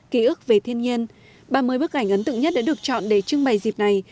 ký ức về thiên nhiên ba mươi bức ảnh ấn tượng nhất đã được chọn để trưng bày dịp này